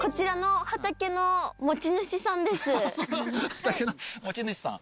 畑の持ち主さん。